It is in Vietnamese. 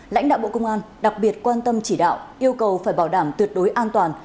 lãnh đạo bộ công an đặc biệt quan tâm chỉ đạo yêu cầu phải bảo đảm tuyệt đối an toàn